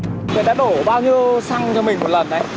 người đã đổ bao nhiêu xăng cho mình một lần đấy